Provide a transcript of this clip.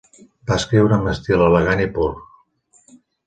Va escriure amb estil elegant i pur.